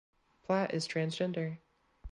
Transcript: Platt is transgender.